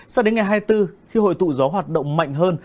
sao đến ngày hai mươi bốn khi hội tụ gió hoạt động mạnh hơn